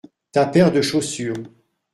Ta paire de chaussures.